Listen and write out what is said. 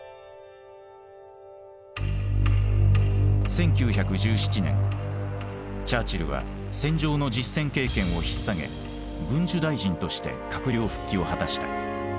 １９１７年チャーチルは戦場の実戦経験をひっ提げ軍需大臣として閣僚復帰を果たした。